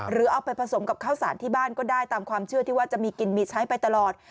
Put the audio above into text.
หรือเอาไปผสมกับข้าวสารที่บ้านก็ได้ตามความเชื่อที่ว่าจะมีกินมีใช้ไปตลอด